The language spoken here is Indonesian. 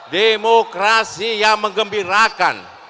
demokrasi yang mengembirakan